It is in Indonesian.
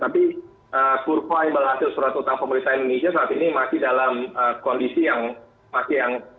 tapi kurva imbal hasil secara total pemerintah indonesia saat ini masih dalam kondisi yang fit ya